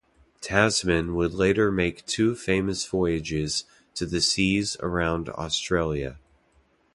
Tasman would later make two famous voyages to the seas around Australia.